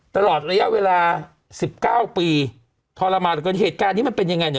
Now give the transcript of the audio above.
ตลอดระยะเวลาสิบเก้าปีทรมานเหลือเกินเหตุการณ์นี้มันเป็นยังไงเนี่ย